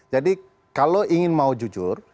jadi kalau ingin mau jujur